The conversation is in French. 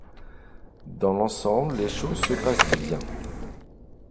Dans l'ensemble, les choses se passent bien.